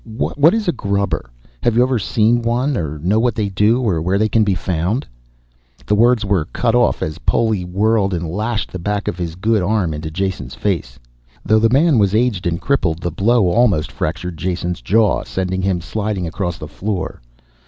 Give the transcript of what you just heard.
What is a 'grubber'? Have you ever seen one or know what they do, or where they can be found " The words were cut off as Poli whirled and lashed the back of his good arm into Jason's face. Though the man was aged and crippled, the blow almost fractured Jason's jaw, sending him sliding across the floor.